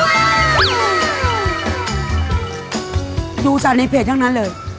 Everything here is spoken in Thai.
ดูจากในเพจทั้งนั้นเลย